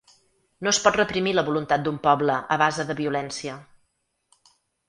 No es pot reprimir la voluntat d’un poble a base de violència.